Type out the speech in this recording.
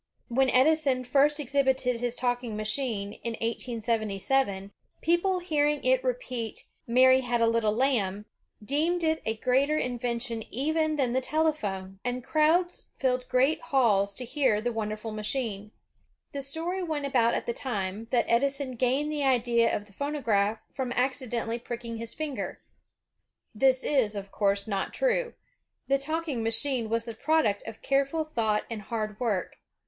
When Edison first exhibited his talking machine, in 1877, people bearing it repeat "Mary had a little lamb" 250 OTHER FAMOUS INVENTORS OF TO DAY deemed it a greater invention even than the telephone, and crowds filled great halls to hear the wonderful ma chine. The story went about at the time, that Edison gained the idea of the phonograph from accidentally pricking his finger. This is, of course, not true. The talking machine was the product of careful thought and hard work.